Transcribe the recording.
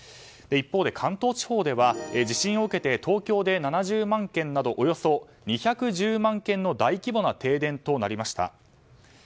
一方で関東地方では地震を受けて東京で７０万軒などおよそ２１０万軒の大規模な停電となりました。